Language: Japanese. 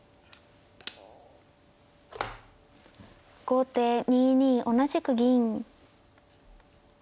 後手２二同じく銀。